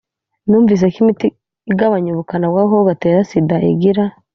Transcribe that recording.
numvise ko imiti igabanya ubukana bw agakoko gatera sida igira